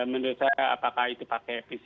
menurut saya apakah itu pakai pcr